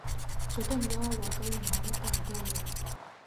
چټک ځواب ورکول مهارت ته اړتیا لري.